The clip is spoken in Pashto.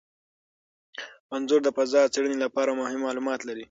انځور د فضا د څیړنې لپاره مهم معلومات لري.